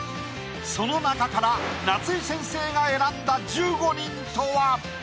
その中から夏井先生が選んだ１５人とは？